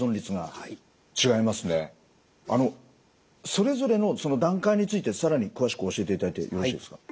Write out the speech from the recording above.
それぞれの段階について更に詳しく教えていただいてよろしいですか？